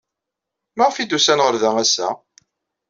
Maɣef ay d-usan ɣer da ass-a?